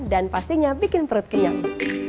dan pastinya bikin perut kenyang